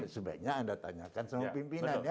sebaiknya anda tanyakan sama pimpinan ya